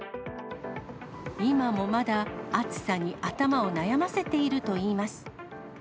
今もまだ、暑さに頭を悩ませているといいます。